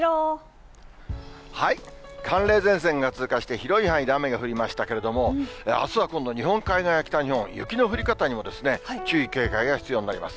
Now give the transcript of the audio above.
寒冷前線が通過して、広い範囲で雨が降りましたけれども、あすは今度、日本海側や北日本、雪の降り方にも注意、警戒が必要になります。